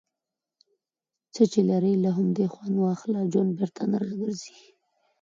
څۀ چې لرې، له همدې خؤند واخله. ژؤند بیرته نۀ را ګرځي.